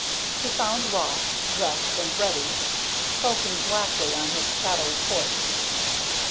He found Ross, dressed and ready, sulking blackly on his shadowy porch.